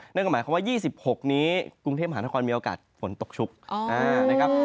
นั่นก็หมายความว่า๒๖นี้กรุงเทพมหานครมีโอกาสฝนตกชุกนะครับ